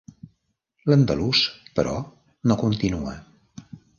L'andalús, però, no continua.